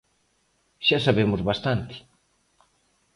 Xa sabemos bastante.